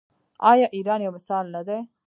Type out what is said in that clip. آیا ایران یو مثال نه دی؟